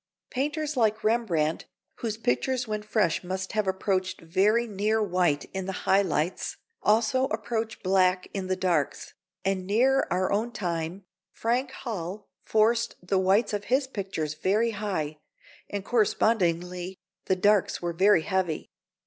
Painters like Rembrandt, whose pictures when fresh must have approached very near white in the high lights, also approach black in the darks, and nearer our own time, Frank Holl forced the whites of his pictures very high and correspondingly the darks were very heavy.